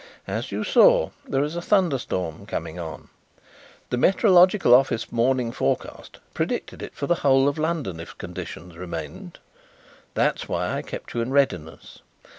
As you saw, there is a thunderstorm coming on. The Meteorological Office morning forecast predicted it for the whole of London if the conditions remained. That is why I kept you in readiness.